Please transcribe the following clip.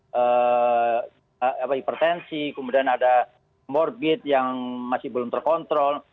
ada hipertensi kemudian ada morbid yang masih belum terkontrol